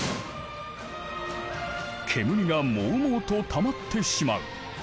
煙がもうもうとたまってしまう。